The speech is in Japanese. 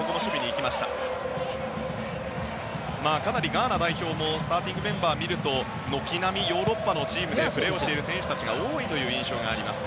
ガーナ代表もスターティングメンバーを見ると軒並みヨーロッパのチームでプレーをしている選手たちが多いという印象があります。